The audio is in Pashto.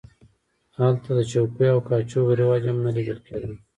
هلته د چوکیو او کاچوغو رواج هم نه و لیدل کېده.